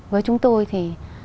với chúng tôi thì